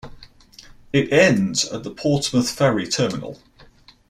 It ends at the Portsmouth ferry terminal.